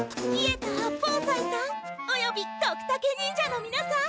稗田八方斎さんおよびドクタケ忍者のみなさん！